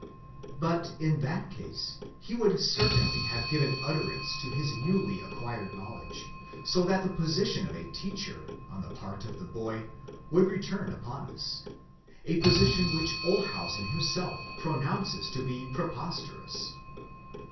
But in that case he would certainly have given utterance to his newly acquired knowledge; so that the position of a teacher on the part of the boy would return upon us, a position which Olshausen himself pronounces to be preposterous.